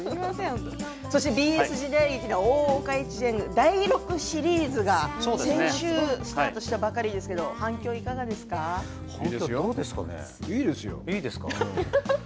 そしてＢＳ時代劇「大岡越前」第６シリーズが先週スタートしたばかりですどうですかね。